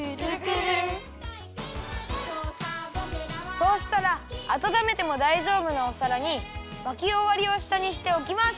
そうしたらあたためてもだいじょうぶなおさらにまきおわりをしたにしておきます。